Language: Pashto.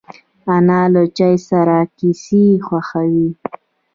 انا له چای سره کیسې خوښوي